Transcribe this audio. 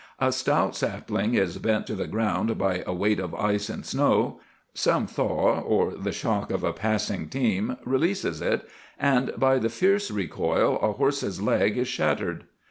A stout sapling is bent to the ground by a weight of ice and snow: some thaw or the shock of a passing team releases it, and by the fierce recoil a horse's leg is shattered.